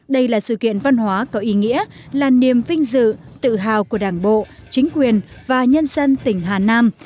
đây là sự kiện văn hóa có ý nghĩa là niềm vinh dự tự hào của đảng bộ chính quyền và nhân dân tỉnh hà nam